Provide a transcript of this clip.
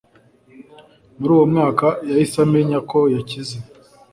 muri uwo mwanya, yahise amenya ko yakize